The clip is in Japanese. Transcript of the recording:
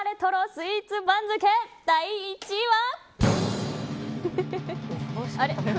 スイーツ番付第１位は。